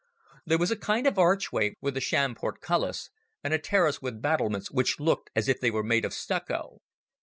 There was a kind of archway, with a sham portcullis, and a terrace with battlements which looked as if they were made of stucco.